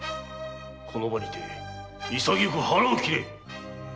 この場にて潔く腹を切れ！